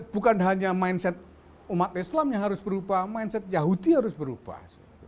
bukan hanya mindset umat islam yang harus berubah mindset yahudi harus berubah